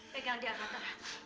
pegang dia kata kata